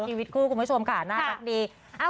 ชีวิตคู่คุณผู้ชมค่ะน่ารักดี